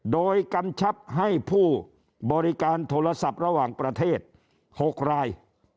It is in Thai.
โดยกำชับให้ผู้บริการโทรศัพท์ระหว่างประเทศ๖ราย